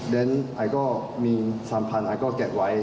แล้วก็มีสามพันธุ์ก็เก็บไว้